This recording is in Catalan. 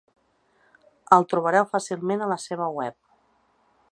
El trobareu fàcilment a la seva web.